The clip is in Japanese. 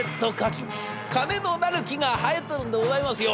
金のなる木が生えてるんでございますよ。